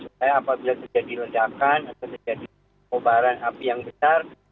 supaya apabila terjadi ledakan atau terjadi kobaran api yang besar